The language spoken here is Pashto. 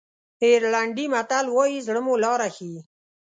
آیرلېنډي متل وایي زړه مو لاره ښیي.